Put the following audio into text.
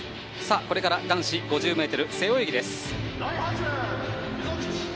これから男子５０ｍ背泳ぎです。